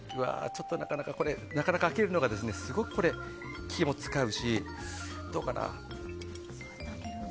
なかなか開けるのがすごく気も遣うしどうかな。